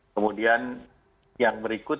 kemudian yang berikut